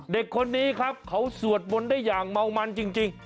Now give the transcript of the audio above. เด็กคนนี้ครับเขาสวดมนต์ได้อย่างเมามันจริง